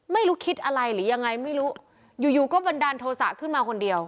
ไม่รู้คิดอะไรหรือยังไงอยู่ก็บันดันโทรศะขึ้นมาคนเดียว